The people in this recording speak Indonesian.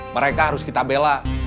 mereka harus kita bela